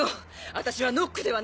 私はノックではないと。